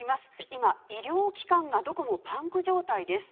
今、医療機関がどこもパンク状態です。